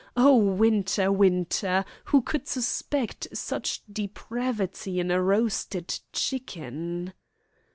Oh, Winter, Winter, who could suspect such depravity in a roasted chicken!"